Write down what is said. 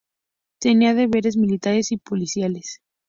Tenía deberes militares y policiales.